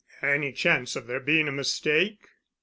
"Any chance of there being a mistake?"